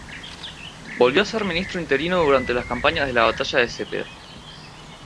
Volvió a ser ministro interino durante las campañas de la Batalla de Cepeda.